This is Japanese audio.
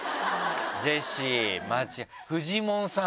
ジェシーフジモンさん！